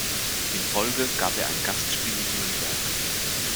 In Folge gab er ein in Gastspiel in Nürnberg.